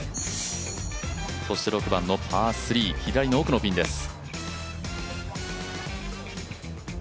そして６番のパー３、左の奥のピンです。